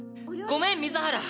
ごめん水原